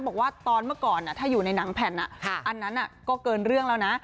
บอกว่าตอนเมื่อก่อนถ้าอยู่ในหนังแผ่นอันนั้นก็เกินเรื่องแล้วนะ